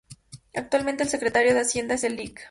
Actualmente el Secretario de Hacienda es el Lic.